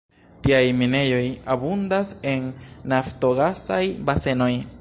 Tiaj minejo abundas en naftogasaj basenoj.